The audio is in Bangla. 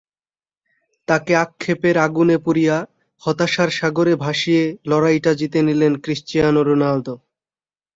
তাঁকে আক্ষেপের আগুনে পুড়িয়ে, হতাশার সাগরে ভাসিয়ে লড়াইটা জিতে নিলেন ক্রিস্টিয়ানো রোনালদো।